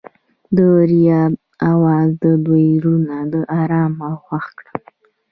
د دریاب اواز د دوی زړونه ارامه او خوښ کړل.